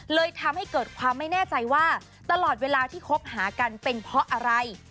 เลยทำให้เกิดความไม่แน่ใจว่าตลอดเวลาที่คบหากันเป็นเพราะอะไร